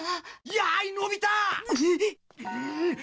やいのび太！